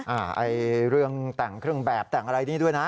ไอ้เรื่องแต่งเครื่องแบบแต่งอะไรนี่ด้วยนะ